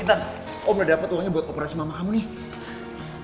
intan om udah dapet uangnya buat operasi mama kamu nih